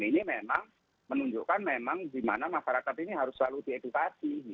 ini memang menunjukkan memang di mana masyarakat ini harus selalu diedukasi